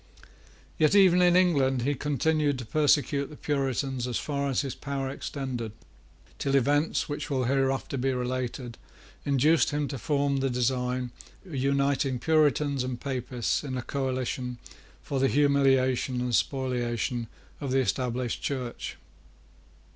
Yet even in England he continued to persecute the Puritans as far as his power extended, till events which will hereafter be related induced him to form the design of uniting Puritans and Papists in a coalition for the humiliation and spoliation of the established Church.